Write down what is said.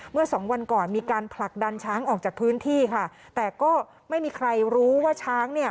เมื่อสองวันก่อนมีการผลักดันช้างออกจากพื้นที่ค่ะแต่ก็ไม่มีใครรู้ว่าช้างเนี่ย